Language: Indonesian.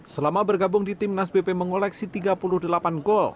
selama bergabung di timnas bp mengoleksi tiga puluh delapan gol